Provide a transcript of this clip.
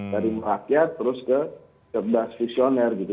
dari merakyat terus ke cerdas visioner gitu